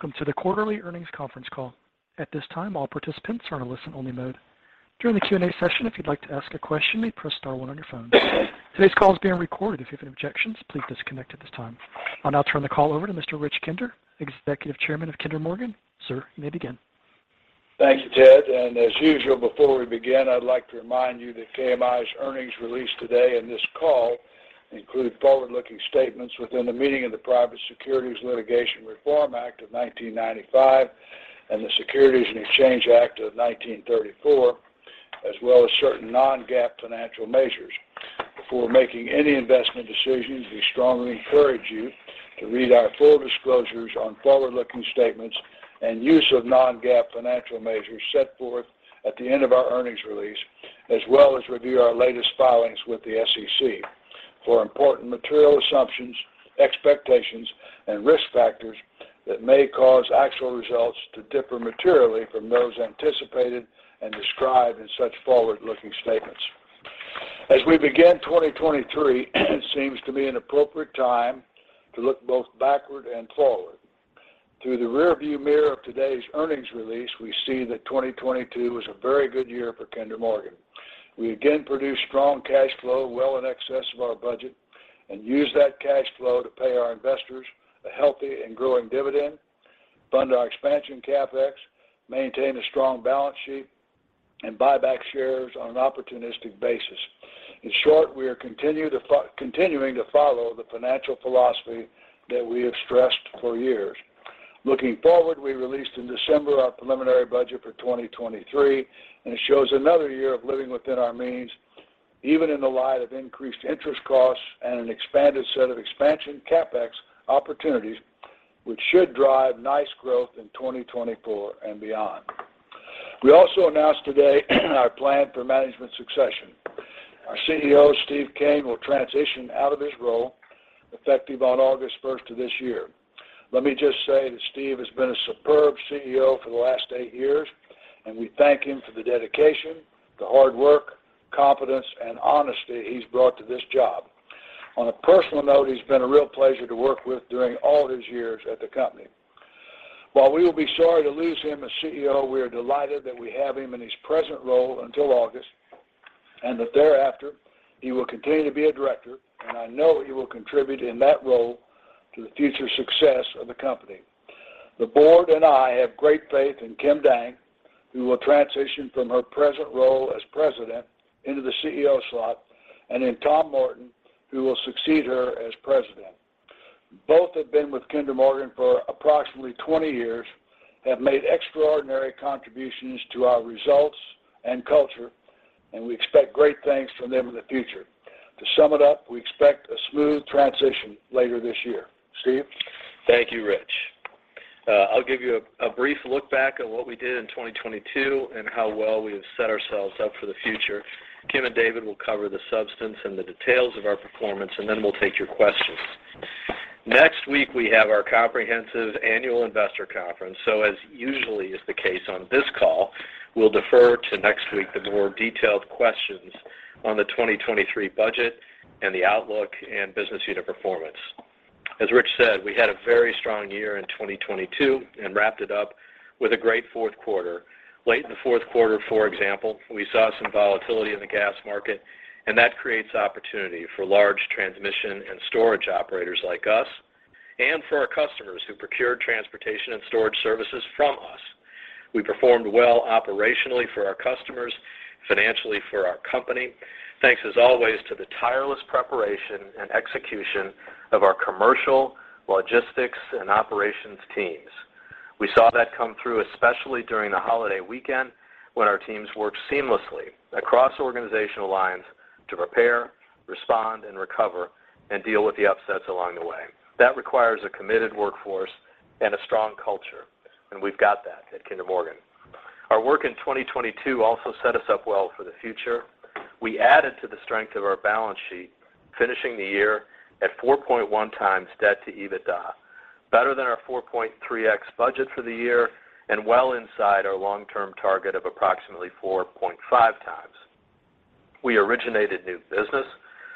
Welcome to the quarterly earnings conference call. At this time, all participants are in a listen only mode. During the Q&A session, if you'd like to ask a question, press star one on your phone. Today's call is being recorded. If you have any objections, please disconnect at this time. I'll now turn the call over to Mr. Rich Kinder, Executive Chairman of Kinder Morgan. Sir, you may begin. Thank you, Ted. As usual, before we begin, I'd like to remind you that KMI's earnings release today and this call include forward-looking statements within the meaning of the Private Securities Litigation Reform Act of 1995 and the Securities and Exchange Act of 1934, as well as certain non-GAAP financial measures. Before making any investment decisions, we strongly encourage you to read our full disclosures on forward-looking statements and use of non-GAAP financial measures set forth at the end of our earnings release, as well as review our latest filings with the SEC for important material assumptions, expectations, and risk factors that may cause actual results to differ materially from those anticipated and described in such forward-looking statements. As we begin 2023, it seems to be an appropriate time to look both backward and forward. Through the rearview mirror of today's earnings release, we see that 2022 was a very good year for Kinder Morgan. We again produced strong cash flow well in excess of our budget and used that cash flow to pay our investors a healthy and growing dividend, fund our expansion CapEx, maintain a strong balance sheet, and buy back shares on an opportunistic basis. In short, we are continuing to follow the financial philosophy that we have stressed for years. Looking forward, we released in December our preliminary budget for 2023. It shows another year of living within our means, even in the light of increased interest costs and an expanded set of expansion CapEx opportunities, which should drive nice growth in 2024 and beyond. We also announced today our plan for management succession. Our CEO, Steve Kean, will transition out of his role effective on August 1st of this year. Let me just say that Steve has been a superb CEO for the last eight years. We thank him for the dedication, the hard work, competence, and honesty he's brought to this job. On a personal note, he's been a real pleasure to work with during all his years at the company. While we will be sorry to lose him as CEO, we are delighted that we have him in his present role until August. Thereafter, he will continue to be a Director, and I know he will contribute in that role to the future success of the company. The board and I have great faith in Kim Dang, who will transition from her present role as President into the CEO slot, and in Tom Martin, who will succeed her as President. Both have been with Kinder Morgan for approximately 20 years, have made extraordinary contributions to our results and culture, and we expect great things from them in the future. To sum it up, we expect a smooth transition later this year. Steve? Thank you, Rich. I'll give you a brief look back at what we did in 2022 and how well we have set ourselves up for the future. Kim and David will cover the substance and the details of our performance, and then we'll take your questions. Next week, we have our comprehensive annual investor conference, so as usually is the case on this call, we'll defer to next week the more detailed questions on the 2023 budget and the outlook and business unit performance. As Rich said, we had a very strong year in 2022 and wrapped it up with a great fourth quarter. Late in the fourth quarter, for example, we saw some volatility in the gas market, and that creates opportunity for large transmission and storage operators like us and for our customers who procure transportation and storage services from us. We performed well operationally for our customers, financially for our company. Thanks as always to the tireless preparation and execution of our commercial, logistics, and operations teams. We saw that come through, especially during the holiday weekend when our teams worked seamlessly across organizational lines to prepare, respond, and recover and deal with the upsets along the way. That requires a committed workforce and a strong culture, and we've got that at Kinder Morgan. Our work in 2022 also set us up well for the future. We added to the strength of our balance sheet, finishing the year at 4.1x debt to EBITDA, better than our 4.3x budget for the year and well inside our long-term target of approximately 4.5x. We originated new business,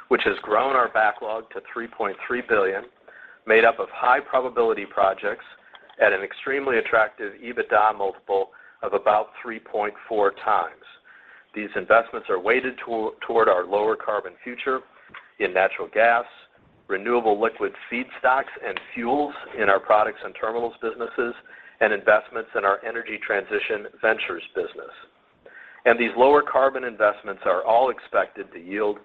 which has grown our backlog to $3.3 billion, made up of high-probability projects at an extremely attractive EBITDA multiple of about 3.4x. These investments are weighted toward our lower carbon future in natural gas, renewable liquid feedstocks and fuels in our products and terminals businesses, and investments in our Energy Transition Ventures business. These lower carbon investments are all expected to yield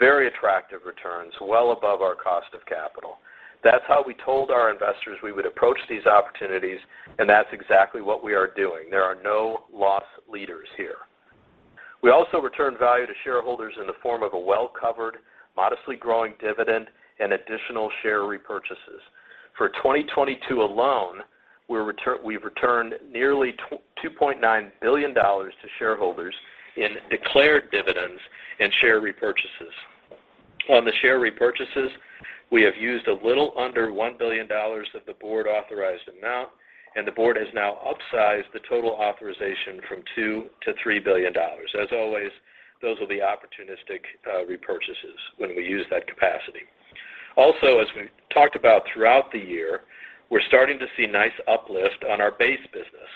very attractive returns well above our cost of capital. That's how we told our investors we would approach these opportunities, and that's exactly what we are doing. There are no loss leaders here. We also returned value to shareholders in the form of a well-covered, modestly growing dividend and additional share repurchases. For 2022 alone, we've returned nearly $2.9 billion to shareholders in declared dividends and share repurchases. On the share repurchases, we have used a little under $1 billion of the board-authorized amount. The board has now upsized the total authorization from $2 billion-$3 billion. As always, those are the opportunistic repurchases when we use that capacity. Also, as we talked about throughout the year, we're starting to see nice uplift on our base business,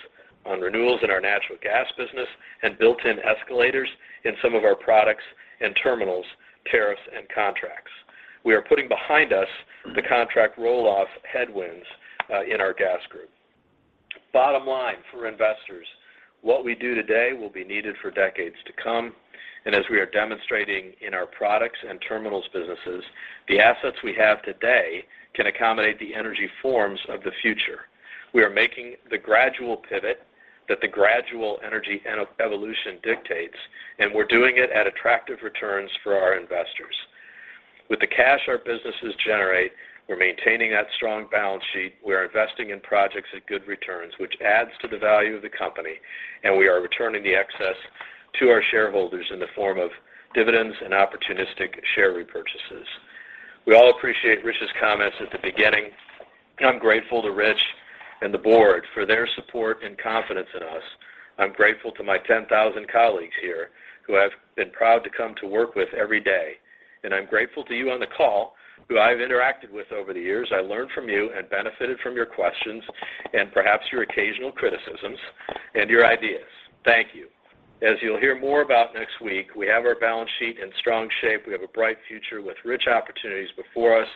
on renewals in our natural gas business and built-in escalators in some of our products and terminals, tariffs and contracts. We are putting behind us the contract roll-off headwinds in our gas group. Bottom line for investors, what we do today will be needed for decades to come, as we are demonstrating in our products and terminals businesses, the assets we have today can accommodate the energy forms of the future. We are making the gradual pivot that the gradual energy evolution dictates. We're doing it at attractive returns for our investors. With the cash our businesses generate, we're maintaining that strong balance sheet. We're investing in projects at good returns, which adds to the value of the company. We are returning the excess to our shareholders in the form of dividends and opportunistic share repurchases. We all appreciate Rich's comments at the beginning. I'm grateful to Rich and the board for their support and confidence in us. I'm grateful to my 10,000 colleagues here who I've been proud to come to work with every day. I'm grateful to you on the call who I've interacted with over the years. I learned from you and benefited from your questions and perhaps your occasional criticisms and your ideas. Thank you. As you'll hear more about next week, we have our balance sheet in strong shape. We have a bright future with rich opportunities before us,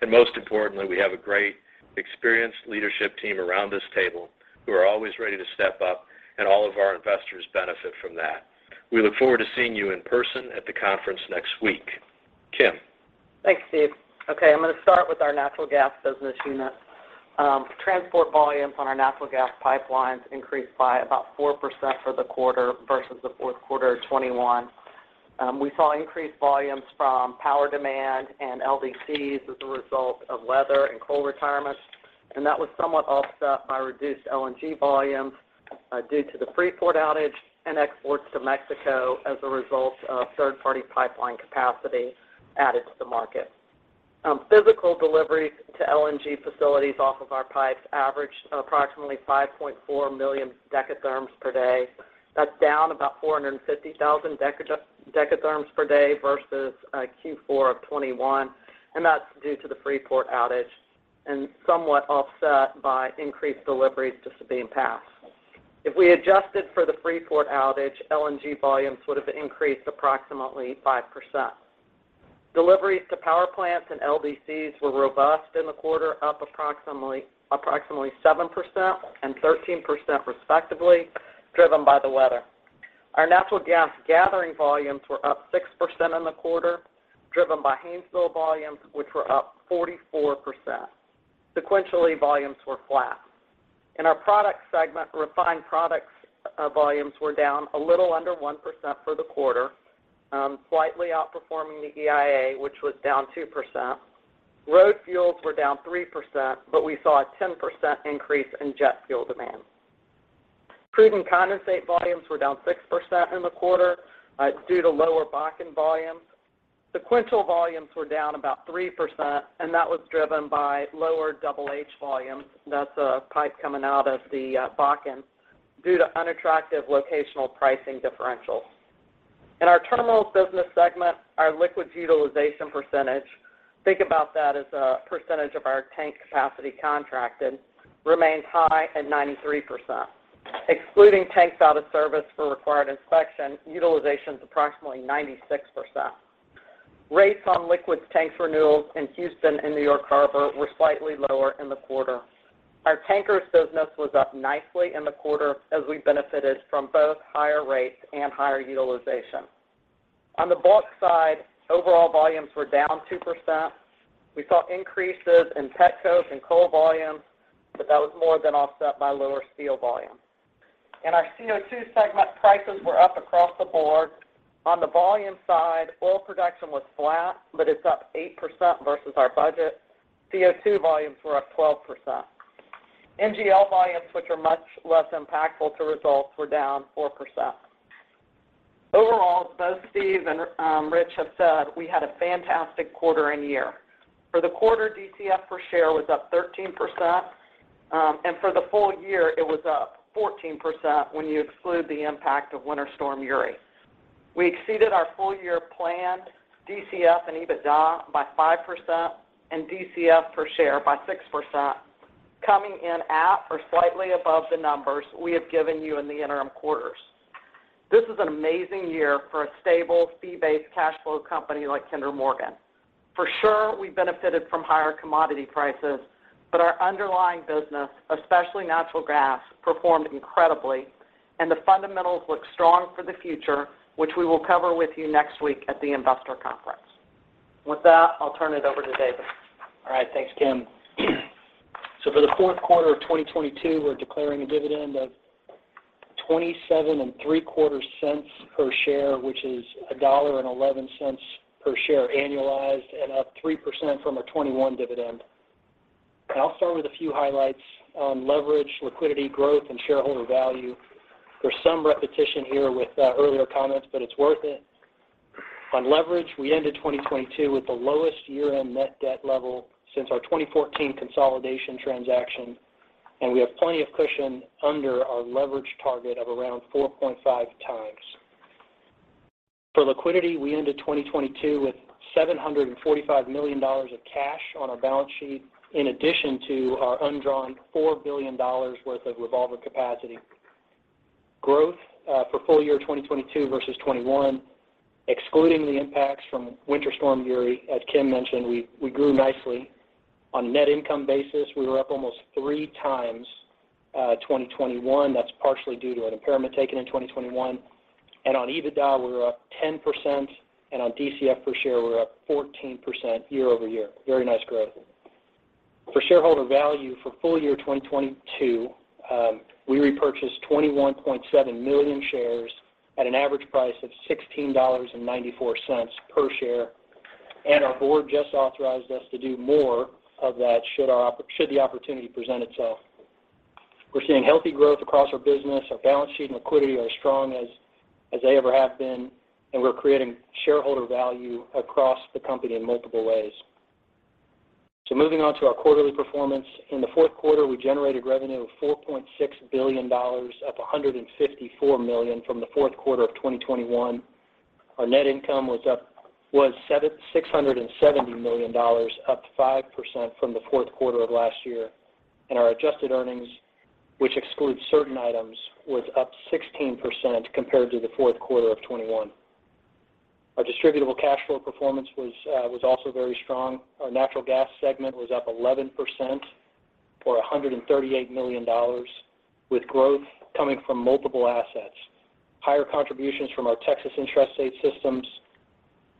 and most importantly, we have a great, experienced leadership team around this table who are always ready to step up, and all of our investors benefit from that. We look forward to seeing you in person at the conference next week. Kim. Thanks, Steve. I'm gonna start with our natural gas business unit. Transport volumes on our natural gas pipelines increased by about 4% for the quarter versus the fourth quarter of 2021. We saw increased volumes from power demand and LDCs as a result of weather and coal retirement, and that was somewhat offset by reduced LNG volumes due to the Freeport outage and exports to Mexico as a result of third-party pipeline capacity added to the market. Physical deliveries to LNG facilities off of our pipes averaged approximately 5.4 million dekatherms per day. That's down about 450,000 dekatherms per day versus Q4 of 2021, and that's due to the Freeport outage and somewhat offset by increased deliveries to Sabine Pass. If we adjusted for the Freeport outage, LNG volumes would have increased approximately 5%. Deliveries to power plants and LDCs were robust in the quarter, up approximately 7% and 13% respectively, driven by the weather. Our natural gas gathering volumes were up 6% in the quarter, driven by Haynesville volumes, which were up 44%. Sequentially, volumes were flat. In our products segment, refined products volumes were down a little under 1% for the quarter, slightly outperforming the EIA, which was down 2%. Road fuels were down 3%, we saw a 10% increase in jet fuel demand. Crude and condensate volumes were down 6% in the quarter, due to lower Bakken volumes. Sequential volumes were down about 3%, that was driven by lower HH volumes. That's a pipe coming out of the Bakken due to unattractive locational pricing differentials. In our terminals business segment, our liquids utilization percentage, think about that as a percentage of our tank capacity contracted, remains high at 93%. Excluding tanks out of service for required inspection, utilization's approximately 96%. Rates on liquids tanks renewals in Houston and New York Harbor were slightly lower in the quarter. Our tankers business was up nicely in the quarter as we benefited from both higher rates and higher utilization. On the bulk side, overall volumes were down 2%. We saw increases in petcoke and coal volumes, but that was more than offset by lower steel volumes. In our CO2 segment, prices were up across the board. On the volume side, oil production was flat, but it's up 8% versus our budget. CO2 volumes were up 12%. NGL volumes, which are much less impactful to results, were down 4%. Overall, both Steve and Rich have said we had a fantastic quarter and year. For the quarter, DCF per share was up 13%, and for the full year, it was up 14% when you exclude the impact of Winter Storm Uri. We exceeded our full-year planned DCF and EBITDA by 5% and DCF per share by 6%, coming in at or slightly above the numbers we have given you in the interim quarters. This is an amazing year for a stable, fee-based cash flow company like Kinder Morgan. We benefited from higher commodity prices, but our underlying business, especially natural gas, performed incredibly, and the fundamentals look strong for the future, which we will cover with you next week at the investor conference. With that, I'll turn it over to David. All right. Thanks, Kim. For the fourth quarter of 2022, we're declaring a dividend of $27.75 per share, which is $1.11 per share annualized and up 3% from our 2021 dividend. I'll start with a few highlights on leverage, liquidity, growth, and shareholder value. There's some repetition here with earlier comments, it's worth it. On leverage, we ended 2022 with the lowest year-end net debt level since our 2014 consolidation transaction, and we have plenty of cushion under our leverage target of around 4.5x. For liquidity, we ended 2022 with $745 million of cash on our balance sheet, in addition to our undrawn $4 billion worth of revolver capacity. Growth for full year 2022 versus 2021, excluding the impacts from Winter Storm Uri, as Kim mentioned, we grew nicely. On net income basis, we were up almost 3x 2021. That's partially due to an impairment taken in 2021. On EBITDA, we were up 10%, and on DCF per share, we're up 14% year-over-year. Very nice growth. For shareholder value for full year 2022, we repurchased $21.7 million shares at an average price of $16.94 per share, our board just authorized us to do more of that should the opportunity present itself. We're seeing healthy growth across our business. Our balance sheet and liquidity are as strong as they ever have been, and we're creating shareholder value across the company in multiple ways. Moving on to our quarterly performance. In the fourth quarter, we generated revenue of $4.6 billion, up $154 million from the fourth quarter of 2021. Our net income was up $670 million, up 5% from the fourth quarter of last year. Our adjusted earnings, which excludes certain items, was up 16% compared to the fourth quarter of 2021. Our distributable cash flow performance was also very strong. Our natural gas segment was up 11% or $138 million with growth coming from multiple assets. Higher contributions from our Texas intrastate systems,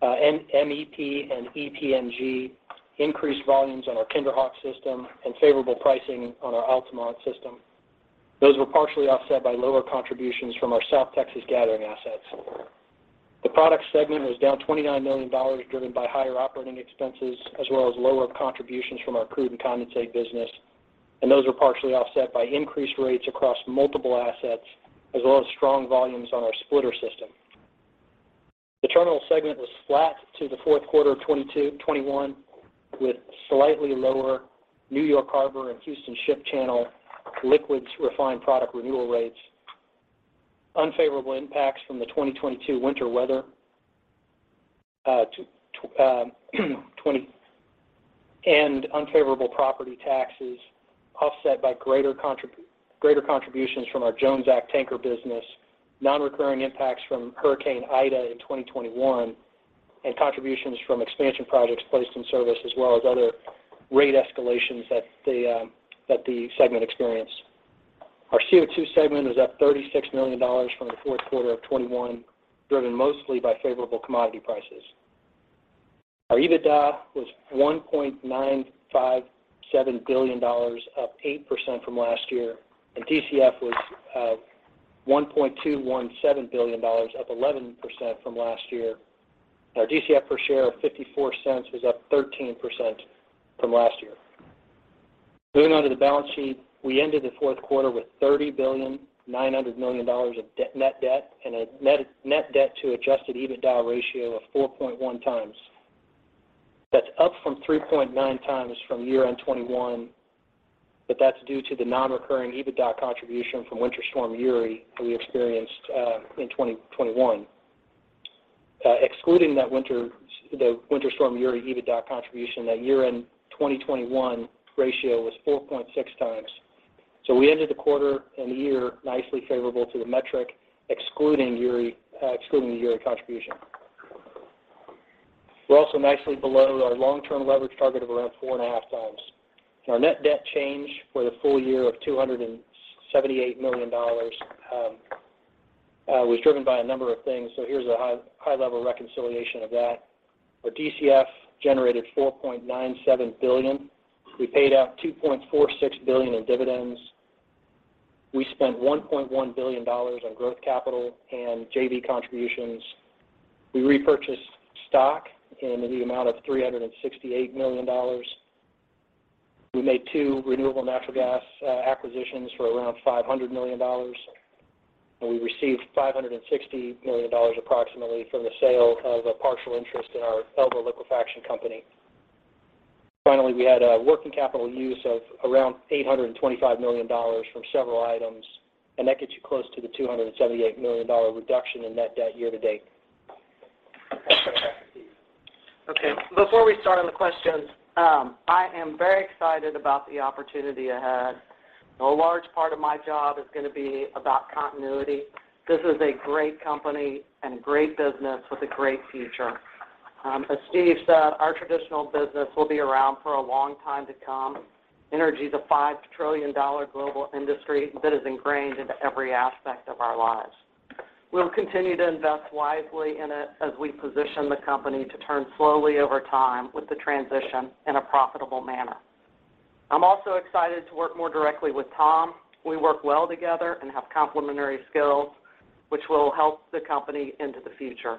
MEP and EPNG increased volumes on our KinderHawk system and favorable pricing on our Altamont system. Those were partially offset by lower contributions from our South Texas gathering assets. The product segment was down $29 million driven by higher operating expenses as well as lower contributions from our crude and condensate business, and those were partially offset by increased rates across multiple assets as well as strong volumes on our splitter system. The terminal segment was flat to the fourth quarter of 2021 with slightly lower New York Harbor and Houston Ship Channel liquids refined product renewal rates, unfavorable impacts from the 2022 winter weather, and unfavorable property taxes offset by greater contributions from our Jones Act tanker business, non-recurring impacts from Hurricane Ida in 2021, and contributions from expansion projects placed in service as well as other rate escalations that the segment experienced. Our CO2 segment is up $36 million from the fourth quarter of 2021, driven mostly by favorable commodity prices. Our EBITDA was $1.957 billion, up 8% from last year, and DCF was $1.217 billion, up 11% from last year. Our DCF per share of $0.54 was up 13% from last year. Moving on to the balance sheet. We ended the fourth quarter with $30,900,000,000 of net debt and a net debt to adjusted EBITDA ratio of 4.1x. That's up from 3.9x from year-end 2021, that's due to the non-recurring EBITDA contribution from Winter Storm Uri that we experienced in 2021. Excluding the Winter Storm Uri EBITDA contribution, that year-end 2021 ratio was 4.6x. We ended the quarter and the year nicely favorable to the metric excluding Uri, excluding the Uri contribution. We're also nicely below our long-term leverage target of around 4.5x. Our net debt change for the full year of $278 million was driven by a number of things. Here's a high-level reconciliation of that. Our DCF generated $4.97 billion. We paid out $2.46 billion in dividends. We spent $1.1 billion on growth capital and JV contributions. We repurchased stock in the amount of $368 million. We made two renewable natural gas acquisitions for around $500 million, and we received $560 million approximately from the sale of a partial interest in our Elba Liquefaction Company. Finally, we had a working capital use of around $825 million from several items, and that gets you close to the $278 million reduction in net debt year-to-date. Okay, before we start on the questions, I am very excited about the opportunity ahead. A large part of my job is gonna be about continuity. This is a great company and great business with a great future. As Steve said, our traditional business will be around for a long time to come. Energy is a $5 trillion global industry that is ingrained into every aspect of our lives. We'll continue to invest wisely in it as we position the company to turn slowly over time with the transition in a profitable manner. I'm also excited to work more directly with Tom. We work well together and have complementary skills, which will help the company into the future.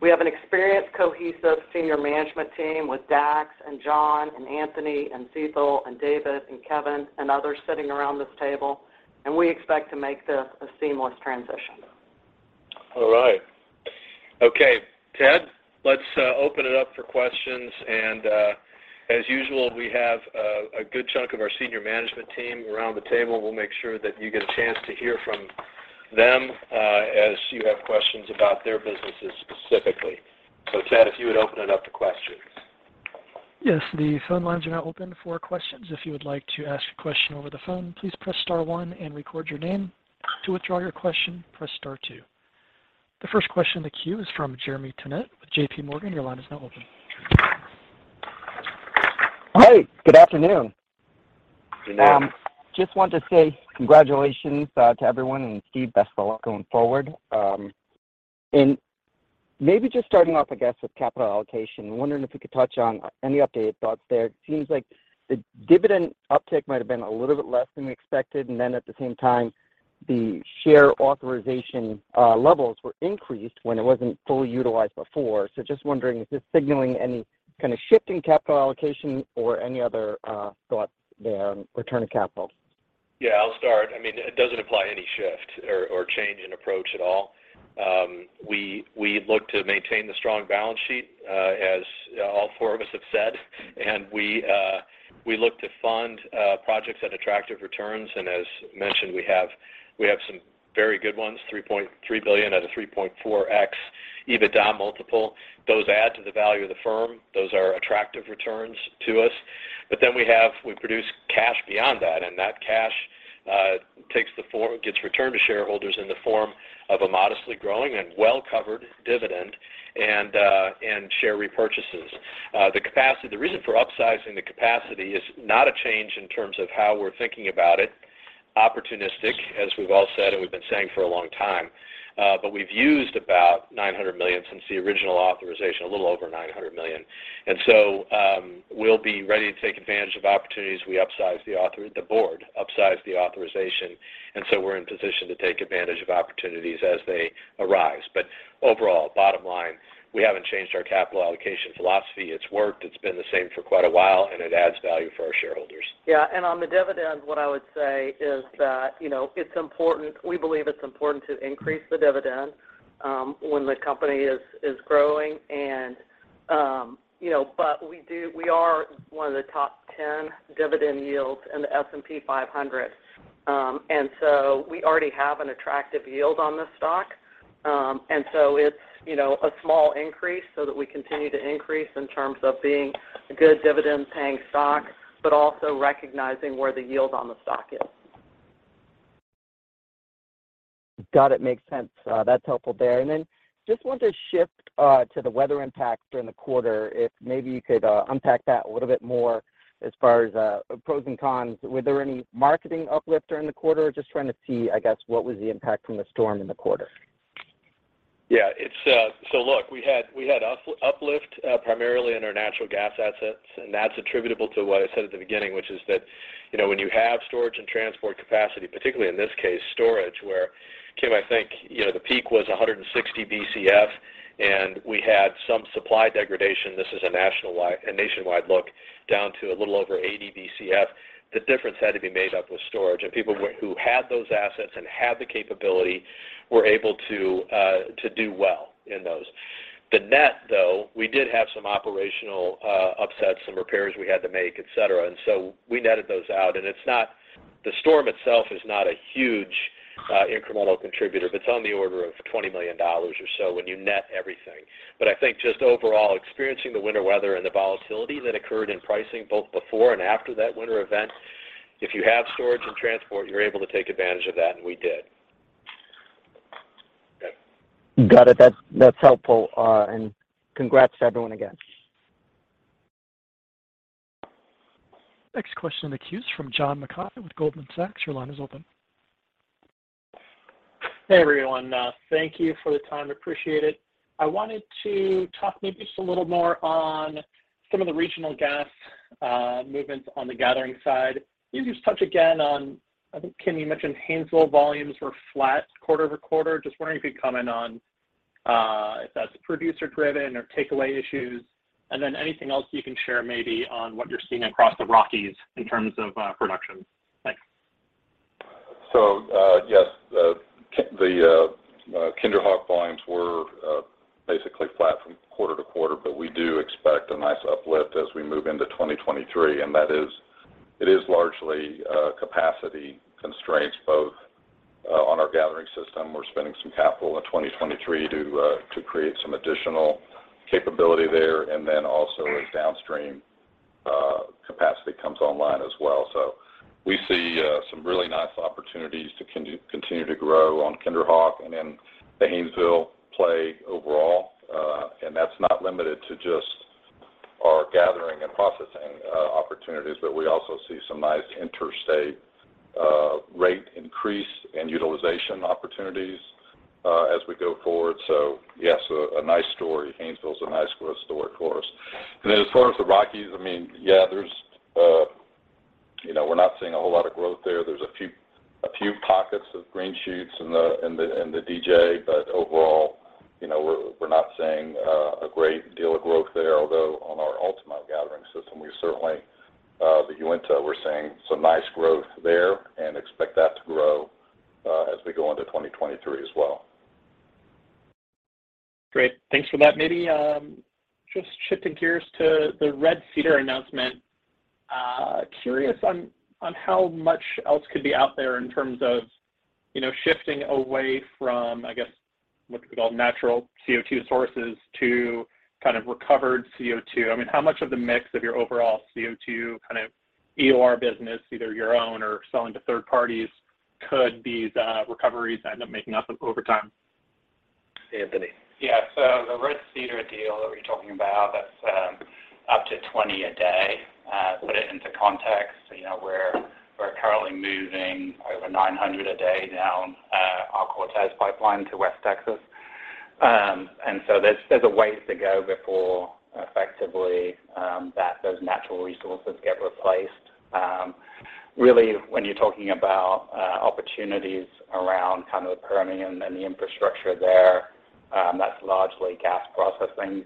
We have an experienced, cohesive senior management team with Dax and John and Anthony and Cecil and David and Kevin and others sitting around this table, and we expect to make this a seamless transition. All right. Okay, Ted, let's open it up for questions. As usual, we have a good chunk of our senior management team around the table. We'll make sure that you get a chance to hear from them as you have questions about their businesses specifically. Ted, if you would open it up to questions. Yes. The phone lines are now open for questions. If you would like to ask a question over the phone, please press star one and record your name. To withdraw your question, press star two. The first question in the queue is from Jeremy Tonet with JPMorgan. Your line is now open. Hey, good afternoon. Good afternoon. Just wanted to say congratulations, to everyone, and Steve, best of luck going forward. Maybe just starting off, I guess, with capital allocation. Wondering if you could touch on any updated thoughts there. It seems like the dividend uptick might have been a little bit less than we expected, and then at the same time, the share authorization, levels were increased when it wasn't fully utilized before. Just wondering, is this signaling any kind of shift in capital allocation or any other, thoughts there on return of capital? Yeah, I'll start. I mean, it doesn't imply any shift or change in approach at all. We look to maintain the strong balance sheet, as all four of us have said, we look to fund projects at attractive returns. As mentioned, we have some very good ones, $3.3 billion at a 3.4x EBITDA multiple. Those add to the value of the firm. Those are attractive returns to us. We produce cash beyond that, and that cash gets returned to shareholders in the form of a modestly growing and well-covered dividend and share repurchases. The reason for upsizing the capacity is not a change in terms of how we're thinking about it. Opportunistic, as we've all said, we've been saying for a long time. We've used about $900 million since the original authorization, a little over $900 million. We'll be ready to take advantage of opportunities. The board upsize the authorization, we're in position to take advantage of opportunities as they arise. Overall, bottom line, we haven't changed our capital allocation philosophy. It's worked. It's been the same for quite a while, and it adds value for our shareholders. Yeah. On the dividend, what I would say is that, you know, we believe it's important to increase the dividend, when the company Is growing. You know, we are one of the top 10 dividend yields in the S&P 500. We already have an attractive yield on this stock. It's, you know, a small increase so that we continue to increase in terms of being a good dividend paying stock, but also recognizing where the yield on the stock is. Got it. Makes sense. That's helpful there. Then just want to shift to the weather impact during the quarter. If maybe you could unpack that a little bit more as far as pros and cons. Were there any marketing uplift during the quarter? Just trying to see, I guess, what was the impact from the storm in the quarter? Yeah. It's. Look, we had uplift, primarily in our natural gas assets, and that's attributable to what I said at the beginning, which is that, you know, when you have storage and transport capacity, particularly in this case, storage, where, Kim, I think, you know, the peak was 160 BCF, and we had some supply degradation, this is a nationwide look, down to a little over 80 BCF. The difference had to be made up with storage. People who had those assets and had the capability were able to do well in those. The net, though, we did have some operational upsets, some repairs we had to make, et cetera. We netted those out. The storm itself is not a huge incremental contributor. It's on the order of $20 million or so when you net everything. I think just overall, experiencing the winter weather and the volatility that occurred in pricing both before and after that winter event, if you have storage and transport, you're able to take advantage of that, and we did. Got it. That's, that's helpful. Congrats to everyone again. Next question in the queue is from John Mackay with Goldman Sachs. Your line is open. Hey, everyone. Thank you for the time. Appreciate it. I wanted to talk maybe just a little more on some of the regional gas movements on the gathering side. Can you just touch again on I think, Kim, you mentioned Haynesville volumes were flat quarter-over-quarter? Just wondering if you could comment on if that's producer driven or take away issues. Anything else you can share maybe on what you're seeing across the Rockies in terms of production? Thanks. Yes. The Kinder Hawk volumes were basically flat from quarter to quarter, but we do expect a nice uplift as we move into 2023, and that is largely capacity constraints both on our gathering system. We're spending some capital in 2023 to create some additional capability there. Also as downstream capacity comes online as well. We see some really nice opportunities to continue to grow on Kinder Hawk and in the Haynesville play overall. That's not limited to just our gathering and processing opportunities, but we also see some nice interstate rate increase and utilization opportunities as we go forward. Yes, a nice story. Haynesville is a nice story for us. As far as the Rockies, I mean, yeah, there's, you know, we're not seeing a whole lot of growth there. There's a few pockets of green shoots in the DJ. Overall, you know, we're not seeing a great deal of growth there. Although on our ultimate gathering system, we certainly, the Uinta, we're seeing some nice growth there and expect that to grow as we go into 2023 as well. Great. Thanks for that. Maybe just shifting gears to the Red Cedar announcement. Curious on how much else could be out there in terms of, you know, shifting away from, I guess, what we call natural CO2 sources to kind of recovered CO2? I mean, how much of the mix of your overall CO2 kind of EOR business, either your own or selling to third parties, could these recoveries end up making up over time? Anthony? Yeah. The Red Cedar deal that we're talking about, that's up to 20 a day. Put it into context, you know, we're currently moving over 900 a day down our Cortez pipeline to West Texas. There's a ways to go before effectively that those natural resources get replaced. Really, when you're talking about opportunities around kind of the Permian and the infrastructure there, that's largely gas processing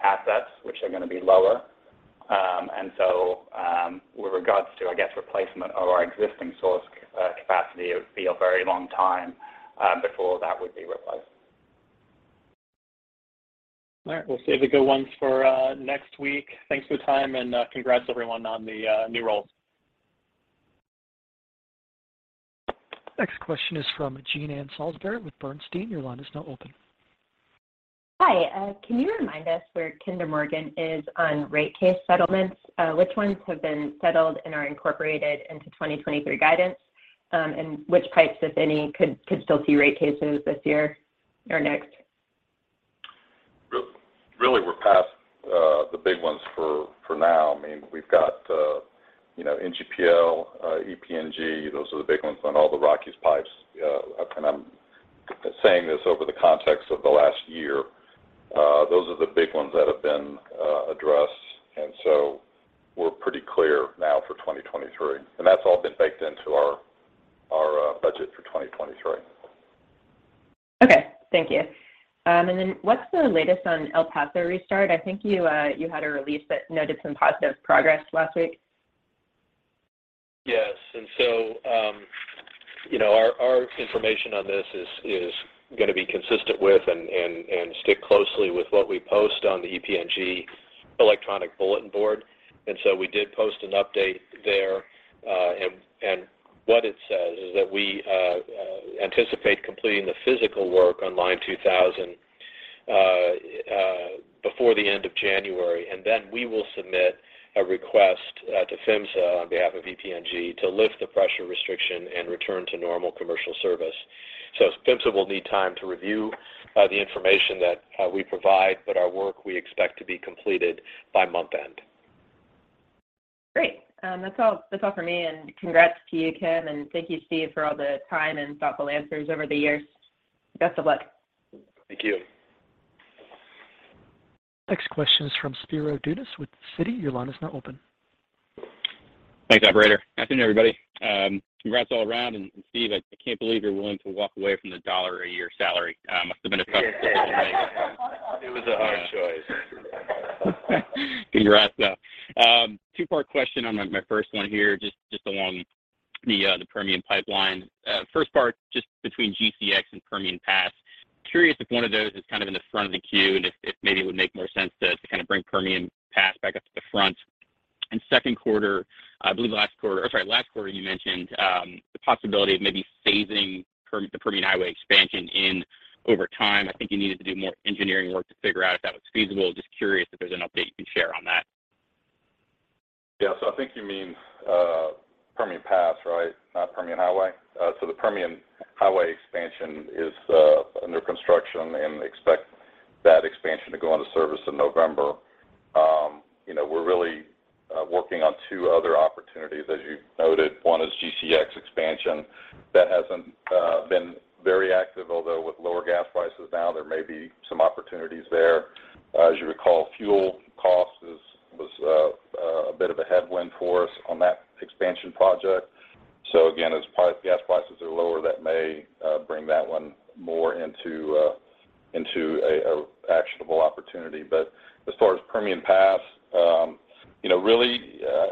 assets, which are gonna be lower. With regards to, I guess, replacement of our existing source capacity, it would be a very long time before that would be replaced. All right. We'll save the good ones for next week. Thanks for the time, congrats everyone on the new roles. Next question is from Jean Ann Salisbury with Bernstein. Your line is now open. Hi. Can you remind us where Kinder Morgan is on rate case settlements? Which ones have been settled and are incorporated into 2023 guidance? Which pipes, if any, could still see rate cases this year or next? Really, we're past the big ones for now. I mean, we've got, you know, NGPL, EPNG. Those are the big ones on all the Rockies pipes. I'm saying this over the context of the last year. Those are the big ones that have been addressed. We're pretty clear now for 2023. That's all been baked into our budget for 2023. Okay. Thank you. What's the latest on El Paso restart? I think you had a release that noted some positive progress last week. Yes. Our information on this is gonna be consistent with and stick closely with what we post on the EPNG electronic bulletin board. We did post an update there, and what it says is that we anticipate completing the physical work on Line 2000 before the end of January, and then we will submit a request to PHMSA on behalf of EPNG to lift the pressure restriction and return to normal commercial service. PHMSA will need time to review the information that we provide, but our work we expect to be completed by month end. Great. That's all for me. Congrats to you, Kim, and thank you, Steve, for all the time and thoughtful answers over the years. Best of luck. Thank you. Next question is from Spiro Dounis with Citi. Your line is now open. Thanks, operator. Afternoon, everybody. Congrats all around. Steve, I can't believe you're willing to walk away from the $1 a year salary. Must have been a tough decision to make. It was a hard choice. Congrats, though. Two-part question on my first one here just along the Permian Pipeline. First part just between GCX and Permian Pass. Curious if one of those is kind of in the front of the queue and if maybe it would make more sense to kind of bring Permian Pass back up to the front? In second quarter, I believe last quarter, you mentioned the possibility of maybe phasing the Permian Highway expansion in over time. I think you needed to do more engineering work to figure out if that was feasible. Just curious if there's an update you can share on that? I think you mean Permian Pass, right? Not Permian Highway. The Permian Highway expansion is under construction and expect that expansion to go into service in November. You know, we're really working on two other opportunities, as you noted. One is GCX expansion. That hasn't been very active, although with lower gas prices now there may be some opportunities there. As you recall, fuel cost is, was a bit of a headwind for us on that expansion project. As gas prices are lower, that may bring that one more into a actionable opportunity. As far as Permian Pass, you know, really,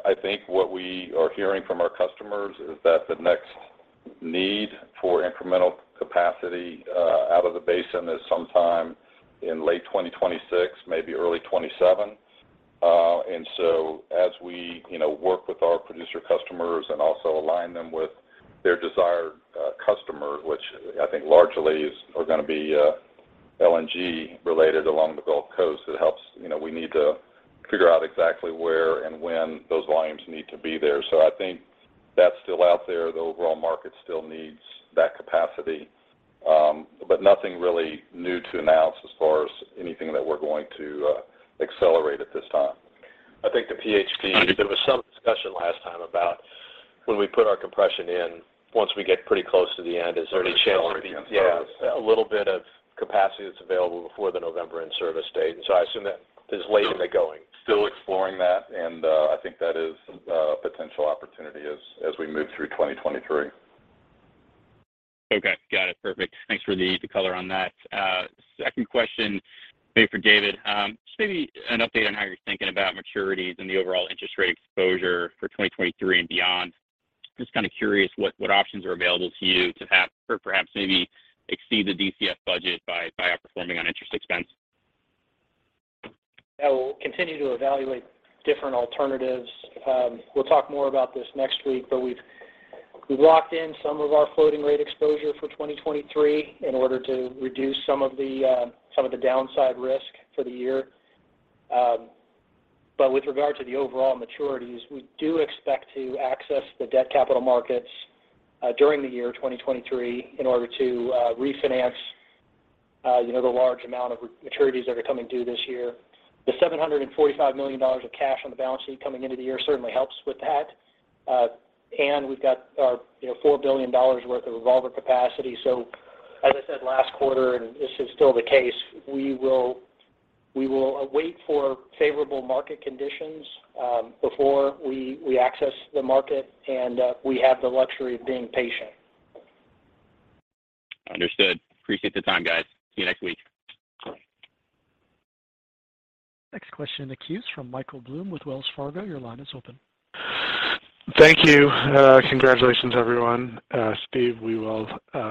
I think what we are hearing from our customers is that the next need for incremental capacity out of the basin is sometime in late 2026, maybe early 2027. As we, you know, work with our producer customers and also align them with their desired customer, which I think largely is, are gonna be LNG related along the Gulf Coast, it helps. You know, we need to figure out exactly where and when those volumes need to be there. I think that's still out there. The overall market still needs that capacity. Nothing really new to announce as far as anything that we're going to accelerate at this time. I think the PHP, there was some discussion last time about when we put our compression in. Once we get pretty close to the end, is there any chance? Already starting again. Yeah. A little bit of capacity that's available before the November in-service date. I assume that is late in the going. Still exploring that, I think that is a potential opportunity as we move through 2023. Okay. Got it. Perfect. Thanks for the color on that. Second question. Hey, for David. Just maybe an update on how you're thinking about maturities and the overall interest rate exposure for 2023 and beyond. Just curious what options are available to you to have or perhaps maybe exceed the DCF budget by outperforming on interest expense. Yeah. We'll continue to evaluate different alternatives. We'll talk more about this next week, but we've locked in some of our floating rate exposure for 2023 in order to reduce some of the downside risk for the year. With regard to the overall maturities, we do expect to access the debt capital markets during the year 2023 in order to refinance, you know, the large amount of maturities that are coming due this year. The $745 million of cash on the balance sheet coming into the year certainly helps with that. We've got our, you know, $4 billion worth of revolver capacity. As I said last quarter, and this is still the case, we will await for favorable market conditions, before we access the market, and we have the luxury of being patient. Understood. Appreciate the time, guys. See you next week. Great. Next question in the queue is from Michael Blum with Wells Fargo. Your line is open. Thank you. Congratulations, everyone. Steve, we will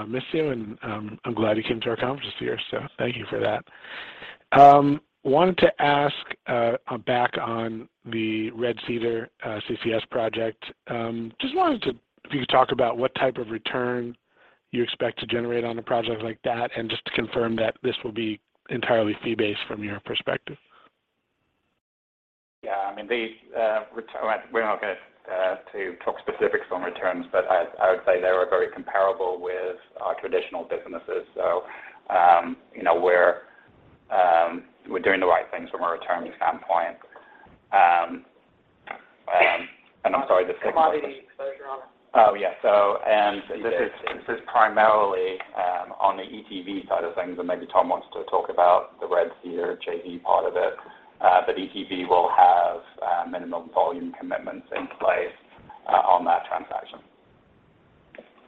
miss you, and I'm glad you came to our conference this year, so thank you for that. Wanted to ask back on the Red Cedar CCS project. Just wanted to if you could talk about what type of return you expect to generate on a project like that and just to confirm that this will be entirely fee-based from your perspective? Yeah. I mean, we're not gonna to talk specifics on returns, I would say they were very comparable with our traditional businesses. You know, we're doing the right things from a return standpoint. I'm sorry. Commodity exposure on them. Oh, yeah. This is primarily on the ETV side of things, and maybe Tom wants to talk about the Red Cedar JV part of it. ETV will have minimum volume commitments in place on that transaction.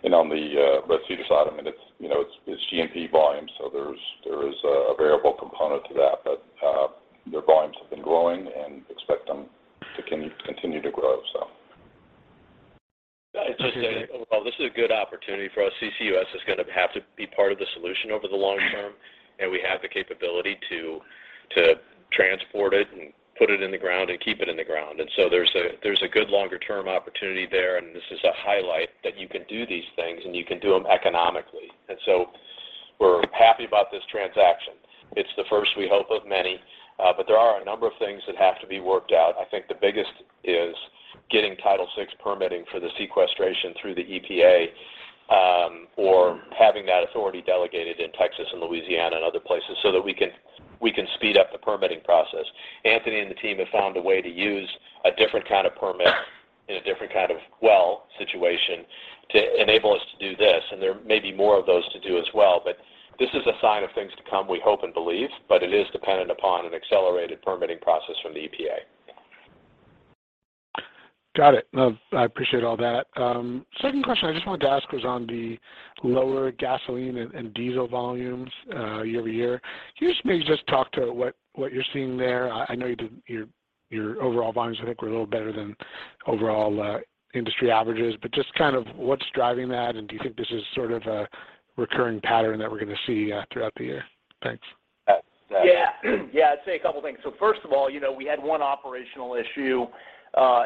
On the Red Cedar side, I mean, it's, you know, it's G&P volume, so there is a variable component to that. Their volumes have been growing and expect them to continue to grow, so. I'd just say, well, this is a good opportunity for us. CCUS is gonna have to be part of the solution over the long term, and we have the capability to transport it and put it in the ground and keep it in the ground. There's a good longer-term opportunity there, and this is a highlight that you can do these things, and you can do them economically. We're happy about this transaction. It's the first, we hope, of many, but there are a number of things that have to be worked out. I think the biggest is getting Title VI permitting for the sequestration through the EPA, or having that authority delegated in Texas and Louisiana and other places so that we can speed up the permitting process. Anthony and the team have found a way to use a different kind of permit in a different kind of well situation to enable us to do this, and there may be more of those to do as well. This is a sign of things to come, we hope and believe, but it is dependent upon an accelerated permitting process from the EPA. Got it. No, I appreciate all that. Second question I just wanted to ask was on the lower gasoline and diesel volumes, year-over-year. Can you just maybe just talk to what you're seeing there? I know your overall volumes I think were a little better than overall industry averages. Just kind of what's driving that, and do you think this is sort of a recurring pattern that we're gonna see throughout the year? Thanks. Yeah, yeah, I'd say a couple things. First of all, you know, we had one operational issue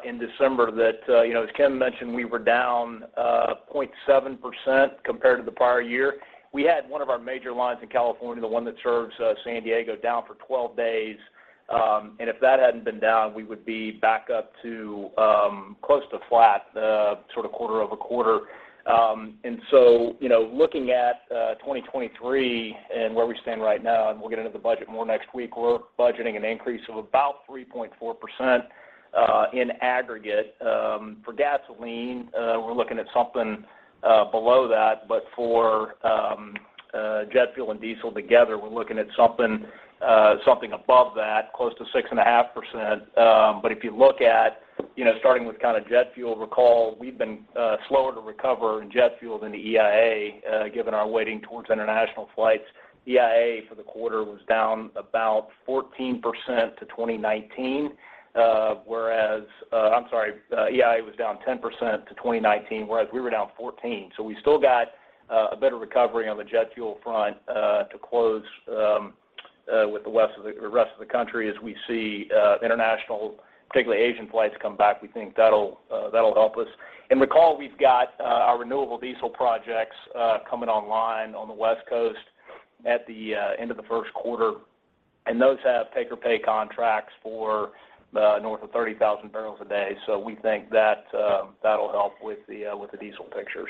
in December that, you know, as Kim Dang mentioned, we were down 0.7% compared to the prior year. We had one of our major lines in California, the one that serves San Diego, down for 12 days, and if that hadn't been down, we would be back up to close to flat sort of quarter-over-quarter. Looking at, you know, 2023 and where we stand right now, and we'll get into the budget more next week, we're budgeting an increase of about 3.4% in aggregate. For gasoline, we're looking at something below that, for jet fuel and diesel together, we're looking at something above that, close to 6.5%. If you look at, you know, starting with kinda jet fuel recall, we've been slower to recover in jet fuel than the EIA, given our weighting towards international flights. EIA for the quarter was down about 14% to 2019, EIA was down 10% to 2019, whereas we were down 14%. We still got a better recovery on the jet fuel front, to close with the rest of the country as we see international, particularly Asian flights, come back. We think that'll help us. Recall we've got, our renewable diesel projects, coming online on the West Coast at the end of the first quarter, and those have take or pay contracts for, north of 30,000 barrels a day. We think that'll help with the, with the diesel picture.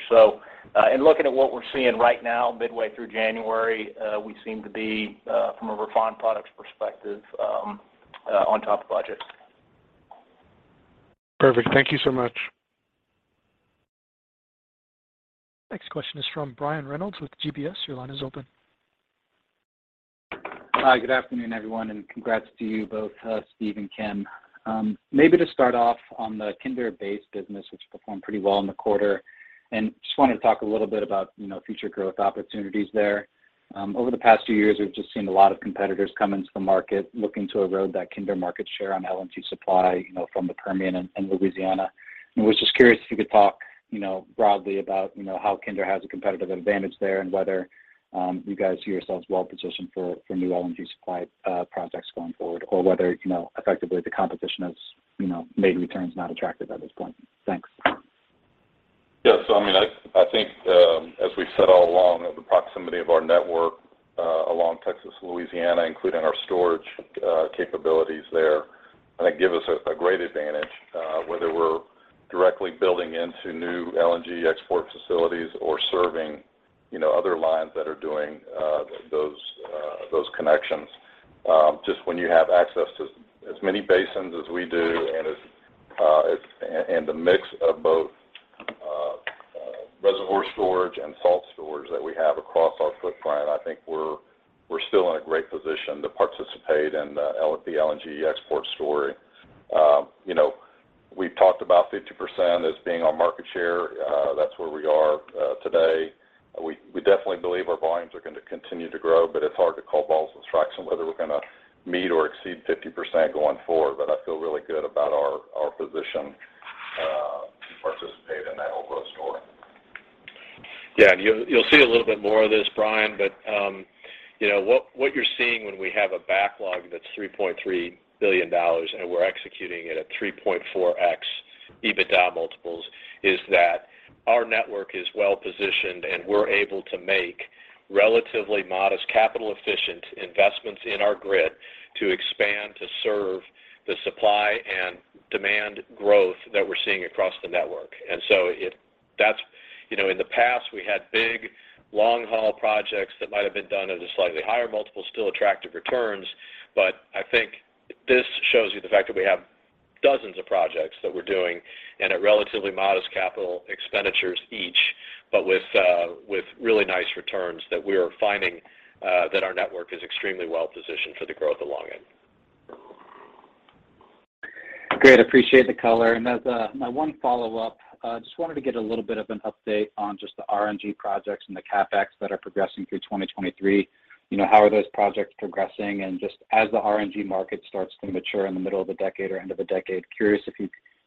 In looking at what we're seeing right now midway through January, we seem to be, from a refined products perspective, on top of budget. Perfect. Thank you so much. Next question is from Brian Reynolds with UBS. Your line is open. Hi. Good afternoon, everyone, and congrats to you both, Steve Kean and Kim Dang. Maybe to start off on the Kinder Base business, which performed pretty well in the quarter Just wanted to talk a little bit about, you know, future growth opportunities there. Over the past few years, we've just seen a lot of competitors come into the market looking to erode that Kinder market share on LNG supply, you know, from the Permian and Louisiana. I was just curious if you could talk, you know, broadly about, you know, how Kinder has a competitive advantage there and whether you guys see yourselves well positioned for new LNG supply projects going forward or whether, you know, effectively the competition has, you know, made returns not attractive at this point. Thanks. I mean, I think, as we've said all along, the proximity of our network, along Texas, Louisiana, including our storage, capabilities there, I think give us a great advantage, whether we're directly building into new LNG export facilities or serving, you know, other lines that are doing, those connections. Just when you have access to as many basins as we do and as and the mix of both, reservoir storage and salt storage that we have across our footprint, I think we're still in a great position to participate in, the LNG export story. You know, we've talked about 50% as being our market share. That's where we are, today. We definitely believe our volumes are going to continue to grow. It's hard to call balls and strikes on whether we're going to meet or exceed 50% going forward. I feel really good about our position to participate in that overall story. Yeah. You'll see a little bit more of this, Brian. You know, what you're seeing when we have a backlog that's $3.3 billion, and we're executing it at 3.4x EBITDA multiples, is that our network is well positioned, and we're able to make relatively modest capital efficient investments in our grid to expand to serve the supply and demand growth that we're seeing across the network. You know, in the past we had big long-haul projects that might have been done at a slightly higher multiple, still attractive returns. I think this shows you the fact that we have dozens of projects that we're doing and at relatively modest capital expenditures each, but with really nice returns that we are finding that our network is extremely well positioned for the growth along it. Great. Appreciate the color. As my one follow-up, just wanted to get a little bit of an update on just the RNG projects and the CapEx that are progressing through 2023. You know, how are those projects progressing? Just as the RNG market starts to mature in the middle of the decade or end of the decade, curious if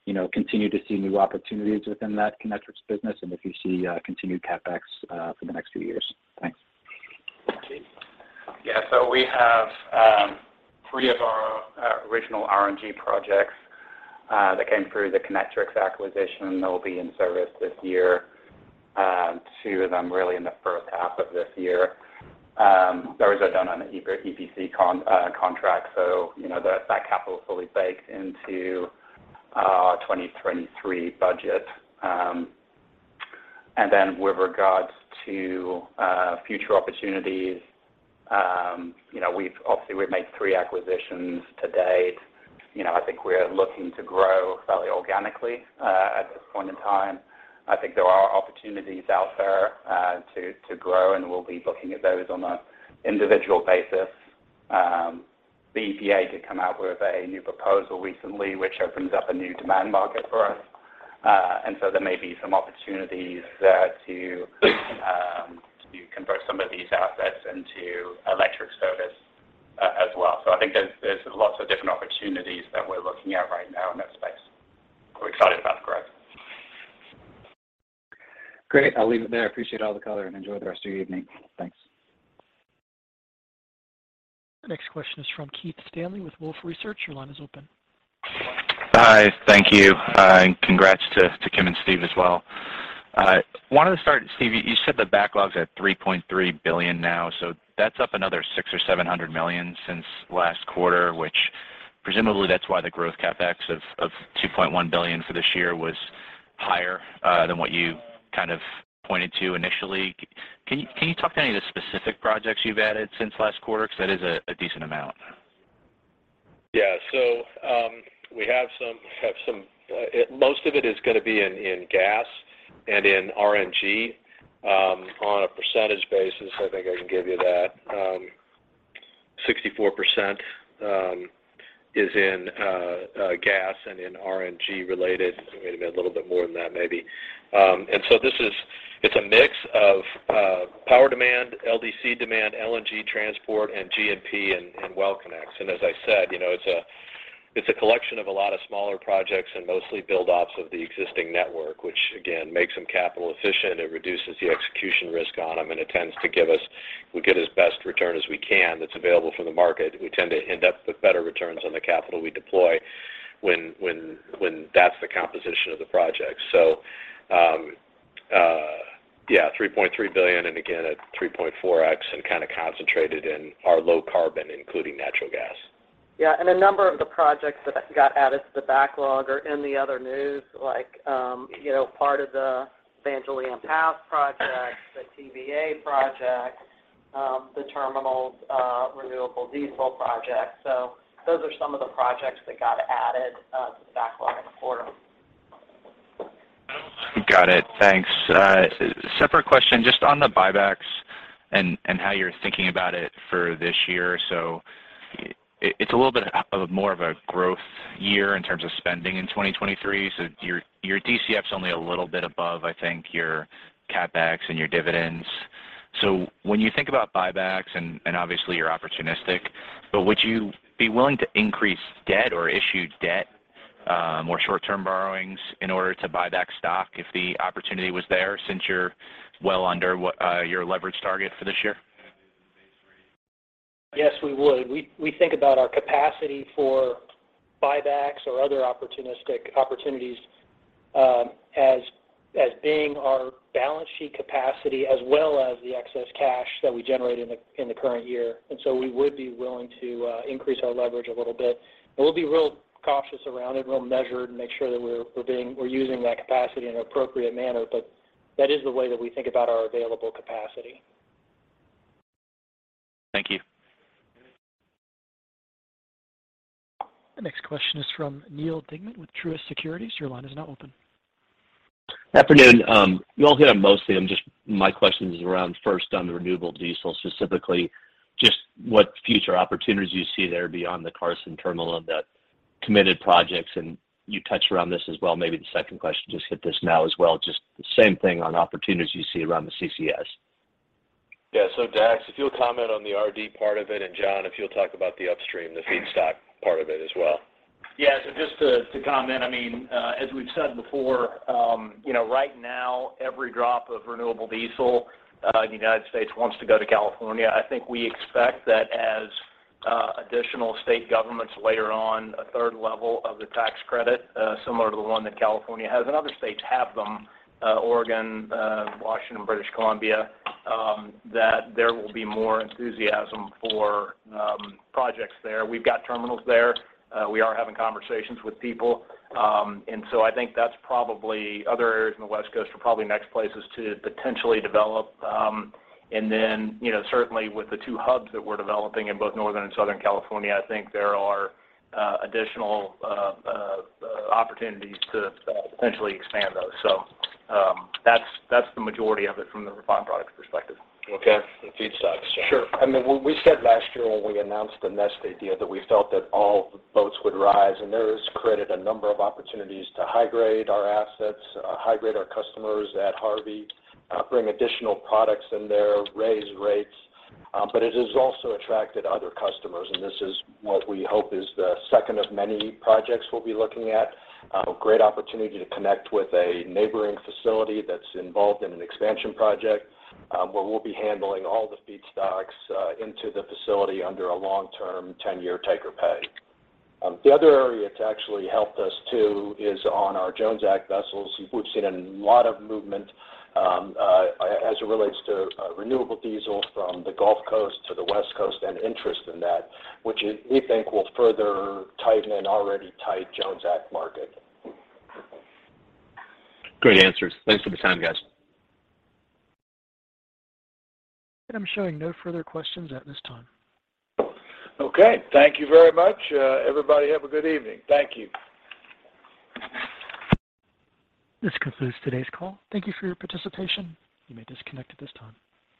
you know, continue to see new opportunities within that Kinetrex business and if you see continued CapEx for the next few years? Thanks. We have three of our original RNG projects that came through the Kinetrex acquisition. They'll be in service this year. Two of them really in the first half of this year. Those are done on an EPC contract, so you know, that capital is fully baked into our 2023 budget. Then with regards to future opportunities, you know, obviously we've made three acquisitions to date. You know, I think we're looking to grow fairly organically at this point in time. I think there are opportunities out there to grow, and we'll be looking at those on an individual basis. The EPA did come out with a new proposal recently, which opens up a new demand market for us. There may be some opportunities there to to convert some of these assets into electric service as well. I think there's lots of different opportunities that we're looking at right now in that space. We're excited about the growth. Great. I'll leave it there. Appreciate all the color. Enjoy the rest of your evening. Thanks. Next question is from Keith Stanley with Wolfe Research. Your line is open. Hi. Thank you, congrats to Kim and Steve as well. Wanted to start, Steve, you said the backlog's at $3.3 billion now, that's up another $600 million or $700 million since last quarter, which presumably that's why the growth CapEx of $2.1 billion for this year was higher than what you kind of pointed to initially. Can you talk to any of the specific projects you've added since last quarter? Because that is a decent amount. We have some, Most of it is gonna be in gas and in RNG. On a percentage basis, I think I can give you that. 64% is in gas and in RNG related. It may have been a little bit more than that maybe. It's a mix of power demand, LDC demand, LNG transport, and G&P and Well Connects. As I said, you know, it's a collection of a lot of smaller projects and mostly build-offs of the existing network, which again, makes them capital-efficient. It reduces the execution risk on them, and we get as best return as we can that's available from the market. We tend to end up with better returns on the capital we deploy when that's the composition of the project. Yeah, $3.3 billion and again at 3.4x and kind of concentrated in our low carbon, including natural gas. Yeah. A number of the projects that got added to the backlog are in the other news like, you know, part of the San Julian Pass project, the TVA project, the terminals, renewable diesel project. Those are some of the projects that got added to the backlog in the quarter. Got it. Thanks. separate question, just on the buybacks. How you're thinking about it for this year. It's a little bit of more of a growth year in terms of spending in 2023. Your, your DCF's only a little bit above, I think, your CapEx and your dividends. When you think about buybacks, obviously you're opportunistic, but would you be willing to increase debt or issue debt, more short-term borrowings in order to buy back stock if the opportunity was there since you're well under what, your leverage target for this year? Yes, we would. We think about our capacity for buybacks or other opportunistic opportunities, as being our balance sheet capacity as well as the excess cash that we generate in the current year. We would be willing to increase our leverage a little bit. We'll be real cautious around it, real measured, and make sure that we're using that capacity in an appropriate manner. That is the way that we think about our available capacity. Thank you. The next question is from Neal Dingmannwith Truist Securities. Your line is now open. Afternoon. You all hit on most of them. Just my question is around first on the renewable diesel, specifically just what future opportunities you see there beyond the Carson Terminal of the committed projects, and you touched around this as well? Maybe the second question, just hit this now as well, just the same thing on opportunities you see around the CCS? Yeah. Dax, if you'll comment on the RD part of it, and John, if you'll talk about the upstream, the feedstock part of it as well. Yeah. Just to comment, I mean, as we've said before, you know, right now, every drop of renewable diesel in the United States wants to go to California. I think we expect that as additional state governments layer on a third level of the tax credit, similar to the one that California has, and other states have them, Oregon, Washington, British Columbia, that there will be more enthusiasm for projects there. We've got terminals there. We are having conversations with people. I think that's probably other areas in the West Coast are probably next places to potentially develop. You know, certainly with the two hubs that we're developing in both Northern and Southern California, I think there are additional opportunities to potentially expand those. That's the majority of it from the refined products perspective. Okay. feedstocks, John. Sure. I mean, what we said last year when we announced the Nest idea that we felt that all boats would rise, and that has created a number of opportunities to high-grade our assets, high-grade our customers at Harvey, bring additional products in there, raise rates, but it has also attracted other customers. This is what we hope is the second of many projects we'll be looking at. Great opportunity to connect with a neighboring facility that's involved in an expansion project, where we'll be handling all the feedstocks, into the facility under a long-term 10-year take-or-pay. The other area it's actually helped us too is on our Jones Act vessels. We've seen a lot of movement, as it relates to renewable diesel from the Gulf Coast to the West Coast and interest in that, which we think will further tighten an already tight Jones Act market. Great answers. Thanks for the time, guys. I'm showing no further questions at this time. Okay. Thank you very much. Everybody have a good evening. Thank you. This concludes today's call. Thank you for your participation. You may disconnect at this time.